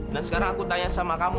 dan sekarang aku tanya sama kamu